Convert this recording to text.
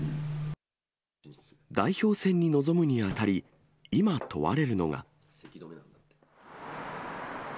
代表選に臨むにあたり、今、問われるのが。